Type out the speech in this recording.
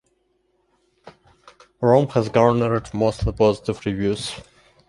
"Rome" has garnered mostly positive reviews.